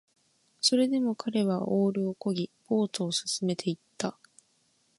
それでも彼はオールを漕ぎ、ボートを進めていった